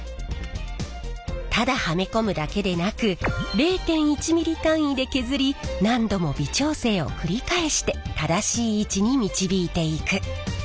ただはめ込むだけでなく０．１ｍｍ単位で削り何度も微調整を繰り返して正しい位置に導いていく。